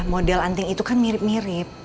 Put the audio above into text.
model anting itu kan mirip mirip